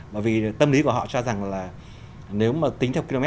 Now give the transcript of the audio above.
bởi vì tâm lý của họ cho rằng là nếu mà tính theo km